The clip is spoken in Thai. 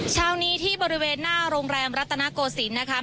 เช้านี้ที่บริเวณหน้าโรงแรมรัตนโกศิลป์นะคะ